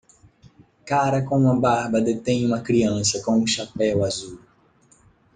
Cara com uma barba detém uma criança com um chapéu azul.